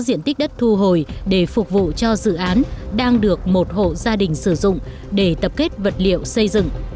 diện tích đất thu hồi để phục vụ cho dự án đang được một hộ gia đình sử dụng để tập kết vật liệu xây dựng